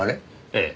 ええ。